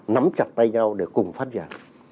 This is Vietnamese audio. nắm chặt tay nhau để cùng phát triển